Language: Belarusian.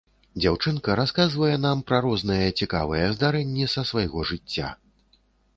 Дзяўчынка расказвае нам пра розныя цікавыя здарэнні са свайго жыцця.